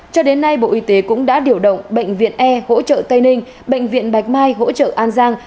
cho đến nay bộ y tế cũng đã điều động bệnh viện e hỗ trợ tây ninh bệnh viện bạch mai hỗ trợ an giang